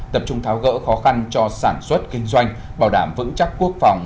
tập trung tháo gỡ khó khăn cho sản xuất kinh doanh bảo đảm vững chắc quốc phòng